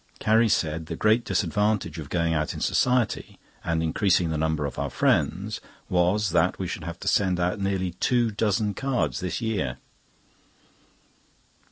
Carrie said the great disadvantage of going out in Society and increasing the number of our friends was, that we should have to send out nearly two dozen cards this year.